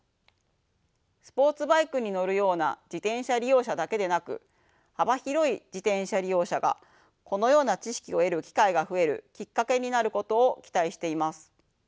スポーツバイクに乗るような自転車利用者だけでなく幅広い自転車利用者がこのような知識を得る機会が増えるきっかけになることを期待しています。